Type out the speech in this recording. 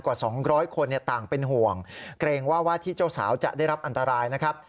กว่า๒๐๐คนต่างเป็นห่วงเกรงว่าว่าที่เจ้าสาวจะได้รับอันตรายนะครับ